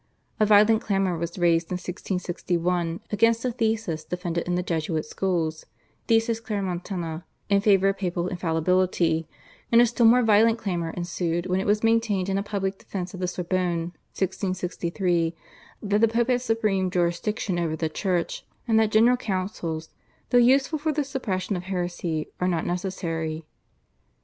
A violent clamour was raised in 1661 against a thesis defended in the Jesuit schools (/Thesis Claromontana/) in favour of papal infallibility, and a still more violent clamour ensued when it was maintained in a public defence at the Sorbonne (1663) that the Pope has supreme jurisdiction over the Church, and that General Councils, though useful for the suppression of heresy, are not necessary.